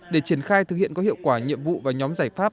để triển khai thực hiện có hiệu quả nhiệm vụ và nhóm giải pháp